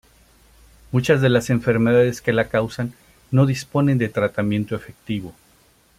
Muchas de las enfermedades que la causan no disponen de tratamiento efectivo.